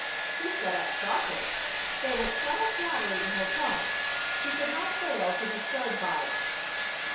He sat up sharply. There was subtle flattery in her tone. He could not fail to be stirred by it.